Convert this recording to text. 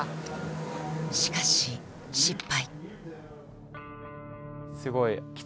しかし失敗。